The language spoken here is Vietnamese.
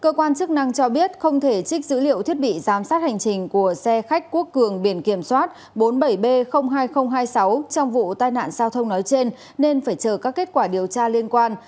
cơ quan chức năng cho biết không thể trích dữ liệu thiết bị giám sát hành trình của xe khách quốc cường biển kiểm soát bốn mươi bảy b hai nghìn hai mươi sáu trong vụ tai nạn giao thông nói trên nên phải chờ các kết quả điều tra liên quan